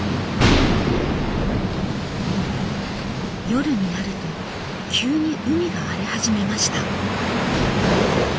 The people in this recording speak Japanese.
夜になると急に海が荒れ始めました。